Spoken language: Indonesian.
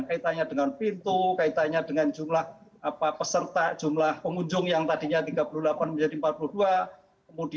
kaitannya dengan pintu kaitannya dengan jumlah peserta jumlah pengunjung yang tadinya tiga puluh delapan menjadi empat puluh dua